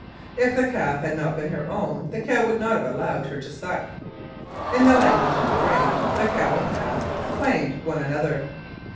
If the calf had not been her own the cow would not have allowed her to suck. In the language of the range, the cow and calf "claimed one another."